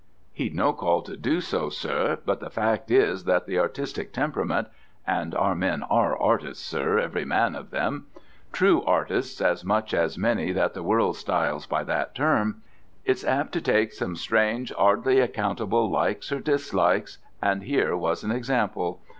"He'd no call to do so, sir; but the fact is that the artistic temperament and our men are artists, sir, every man of them true artists as much as many that the world styles by that term it's apt to take some strange 'ardly accountable likes or dislikes, and here was an example.